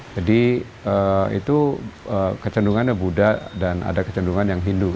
jadi itu kecenderungannya buddha dan ada kecenderungan yang hindu